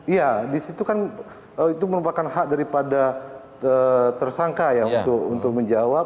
iya disitu kan itu merupakan hak daripada tersangka ya untuk menjawab